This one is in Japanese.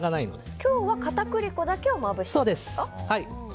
今日は片栗粉だけをまぶすんですか？